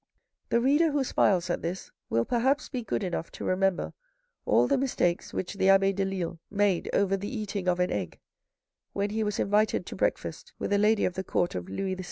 The reader who smiles at this will perhaps be good enough to remember all the mistakes which the abbe Delille made 188 THE RED AND THE BLACK over the eating of an egg when he was invited to breakfast with a lady of the Court of Louis XVI.